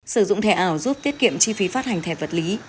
sử dụng thẻ ảo giúp tiết kiệm chi phí phát hành thẻ vật lý